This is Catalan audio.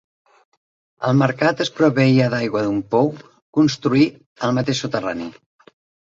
El mercat es proveïa d'aigua d'un pou construït al mateix soterrani.